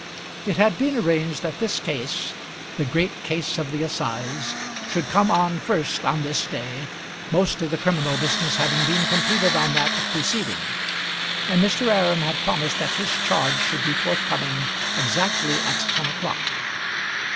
It had been arranged that this case the great case of the assize should come on first on this day, most of the criminal business having been completed on that preceding; and Mr. Aram had promised that his charge should be forthcoming exactly at ten o'clock.